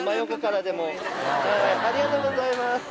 ありがとうございます。